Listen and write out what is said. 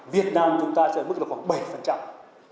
việt nam chúng ta sẽ tăng trưởng mức khoảng bảy